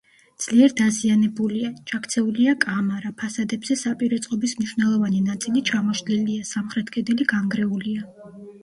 ძლიერ დაზიანებულია: ჩაქცეულია კამარა, ფასადებზე საპირე წყობის მნიშვნელოვანი ნაწილი ჩამოშლილია, სამხრეთ კედელი განგრეულია.